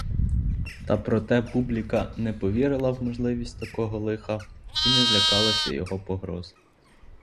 Та проте публіка не повірила в можливість такого лиха й не злякалася його погроз.